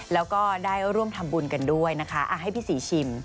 แล้วก็ได้ร่วมทำบุญกันด้วยนะคะให้พี่ศรีชิม